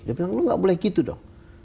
dia bilang lo gak boleh gitu dong